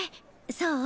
そう。